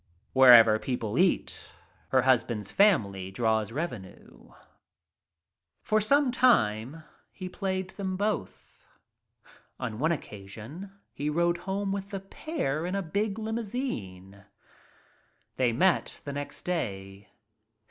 Wherever people eat her husband's family draws • revenue. For some time, he played them both. On one occasion he rode home with the pair in a A WONDERFUL LOVER 61 i They met the next day.